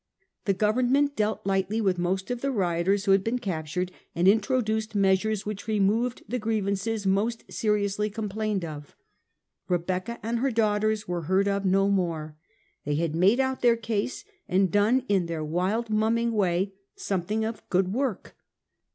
The Government dealt lightly with most of the rioters who had been captured, and introduced measures which removed the grievances most seriously complained of. Rebecca and her daughters were heard of no more. They had made out their case, and done in their wild mumming way something of a good work.